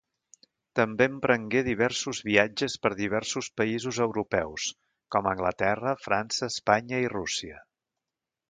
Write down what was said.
També emprengué diversos viatges per diversos països europeus, com Anglaterra, França, Espanya i Rússia.